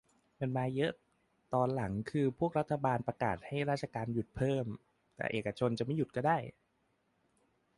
มันมาเยอะตอนหลังคือพวกรัฐบาลประกาศให้ราชการหยุดเพิ่ม แต่เอกชนจะไม่หยุดก็ได้